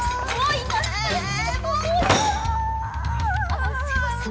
あっすいません。